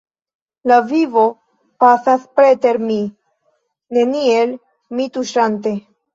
La vivo pasas preter mi, neniel min tuŝante.